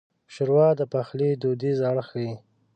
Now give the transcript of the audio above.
ښوروا د پخلي دودیز اړخ ښيي.